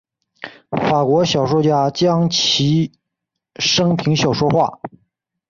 法国小说家将其生平小说化。